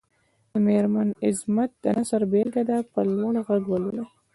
د مېرمن عظمت د نثر بېلګه دې په لوړ غږ ولولي.